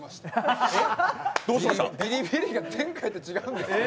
ビリビリが前回と違うんですけど。